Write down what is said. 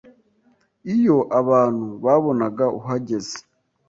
iyo abantu babonaga uhageze